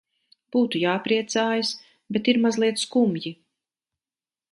Būtu jāpriecājas, bet ir mazliet skumji.